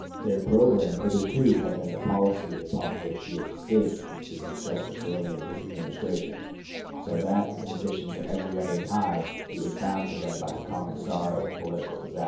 Their programme hitherto had been the policy upon which he had staked the success or failure of his Administration, so that in addition to every other tie he was bound to them by the common sorrow of political disaster.